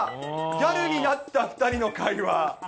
ギャルになった２人の会話。